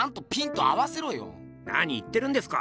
何言ってるんですか！